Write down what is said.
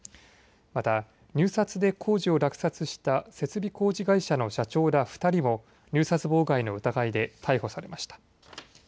また、入札で工事を落札した設備工事会社の社長ら２人も入札妨害の疑いで逮捕されました。